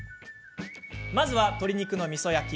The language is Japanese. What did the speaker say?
まずは鶏肉のみそ焼き。